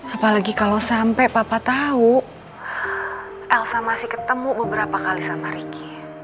apalagi kalau sampai papa tahu elsa masih ketemu beberapa kali sama ricky